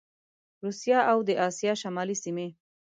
روسیه او د اسیا شمالي سیمي